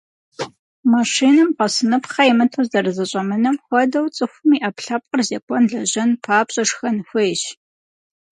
Машинэм гъэсыныпхъэ имыту зэрызэщӏэмынэм хуэдэу, цӏыхум и ӏэпкълъэпкъыр зекӏуэн, лэжьэн папщӏэ, шхэн хуейщ.